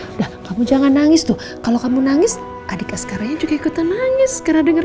udah kamu jangan nangis tuh kalau kamu nangis adiknya sekarang juga ikutan nangis karena dengar